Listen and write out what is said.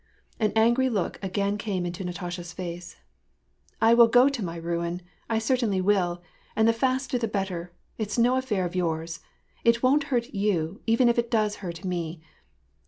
An angry look again came into Natasha's face. " I will go to my ruin, I certainly will, and the faster the better. It's no affair of youra. It won't hurt you, even if it does hurt me.